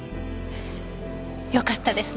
よかったですね。